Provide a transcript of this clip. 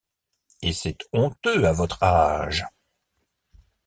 Et c’est honteux à vostre aage…